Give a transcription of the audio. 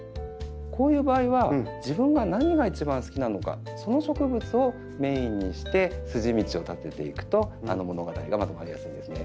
こういう場合は自分が何が一番好きなのかその植物をメインにして筋道を立てていくと物語がまとまりやすいんですね。